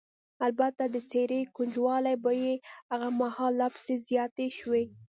البته د څېرې ګونجوالې به یې هغه مهال لا پسې زیاتې شوې.